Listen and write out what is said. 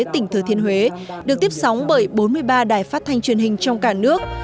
tỉnh thừa thiên huế được tiếp sóng bởi bốn mươi ba đài phát thanh truyền hình trong cả nước